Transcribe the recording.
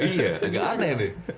iya agak aneh nih